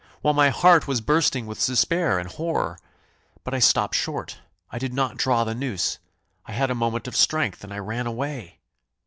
while my heart was bursting with despair and horror! But I stopped short I did not draw the noose I had a moment of strength, and I ran away.